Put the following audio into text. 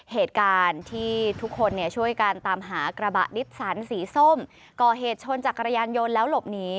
เหตุการณ์ที่ทุกคนเนี่ยช่วยกันตามหากระบะนิสสันสีส้มก่อเหตุชนจักรยานยนต์แล้วหลบหนี